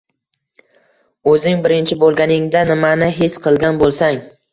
O‘zing birinchi bo‘lganingda nimani his qilgan bo‘lsang